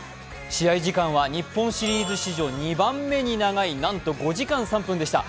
試合時間は日本シリーズ史上２番目に長いなんと５時間３分でした。